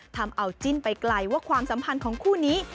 ทำเอาจิ้นไปไกลว่าความสัมพันธ์ของคู่นี้